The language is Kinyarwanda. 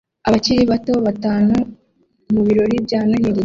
Abakiri bato batanu mu birori bya Noheri